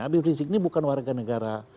habib rizik ini bukan warga negara